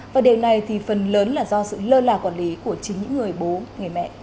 và điều này thì phần lớn là do sự lơ là quản lý của chính những người bố người mẹ